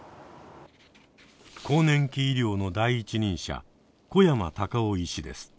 更年期医療の第一人者小山嵩夫医師です。